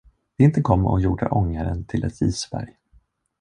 Vintern kom och gjorde ångaren till ett isberg.